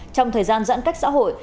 trong thời gian giãn cách xã hội